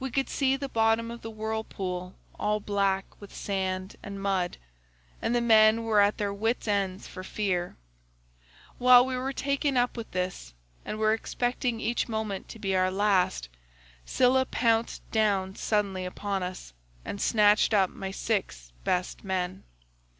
We could see the bottom of the whirlpool all black with sand and mud, and the men were at their wits ends for fear. While we were taken up with this, and were expecting each moment to be our last, Scylla pounced down suddenly upon us and snatched up my six best men.